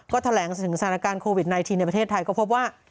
ก็แถลงถึงสถานการณ์โควิด๑๙ในประเทศไทยก็พบว่า